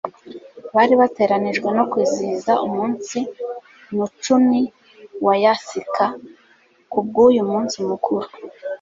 Bari bateranijwe no kwizihiza umunsi nnucuni wa Yasika. Kubw'uyu munsi mukuru,